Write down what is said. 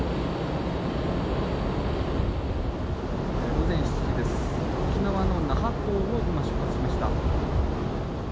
午前７時です、沖縄の那覇港を今、出発しました。